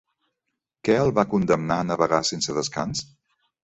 Què el va condemnar a navegar sense descans?